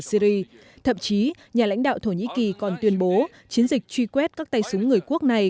syri thậm chí nhà lãnh đạo thổ nhĩ kỳ còn tuyên bố chiến dịch truy quét các tay súng người quốc này